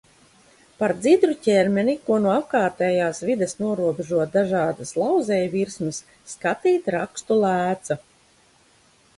Par dzidru ķermeni, ko no apkārtējās vides norobežo dažādas lauzējvirsmas, skatīt rakstu lēca.